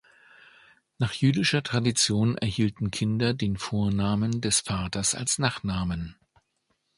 Nach jüdischer Tradition erhielten Kinder den Vornamen des Vaters als Nachnamen.